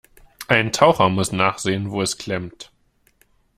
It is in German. Ein Taucher muss nachsehen, wo es klemmt.